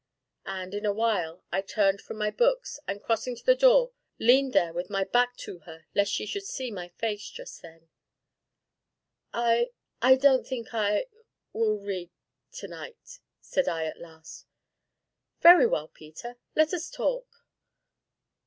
And, in a while, I turned from my books, and, crossing to the door, leaned there with my back to her lest she should see my face just then. "I I don't think I will read to night!" said I at last. "Very well, Peter, let us talk."